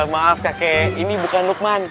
maaf kakek ini bukan lukman